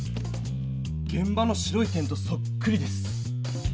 げん場の白い点とそっくりです！